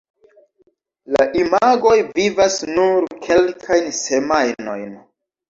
La imagoj vivas nur kelkajn semajnojn.